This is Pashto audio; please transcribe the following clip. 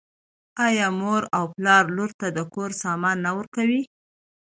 آیا مور او پلار لور ته د کور سامان نه ورکوي؟